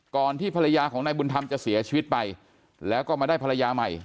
ที่ภรรยาของนายบุญธรรมจะเสียชีวิตไปแล้วก็มาได้ภรรยาใหม่